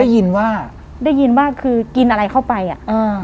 ได้ยินว่าได้ยินว่าคือกินอะไรเข้าไปอ่ะอ่า